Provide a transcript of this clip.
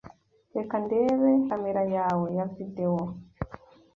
Reka ndebe kamera yawe ya videwo